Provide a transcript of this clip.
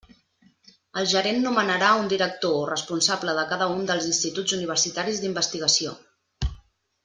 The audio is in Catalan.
El gerent nomenarà un director o responsable de cada un dels instituts universitaris d'investigació.